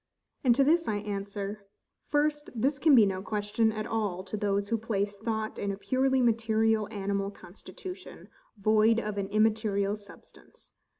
And to this I answer: First, This can be no question at all to those who place thought in a purely material animal constitution, void of an immaterial substance.